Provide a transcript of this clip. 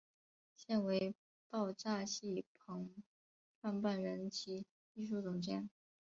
现为爆炸戏棚创办人及艺术总监。